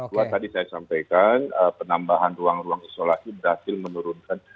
dua tadi saya sampaikan penambahan ruang ruang isolasi berhasil menurunkan